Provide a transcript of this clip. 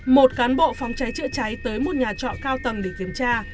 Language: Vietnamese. một cán bộ phòng cháy chữa cháy tới một nhà trọ cao tầng để kiểm tra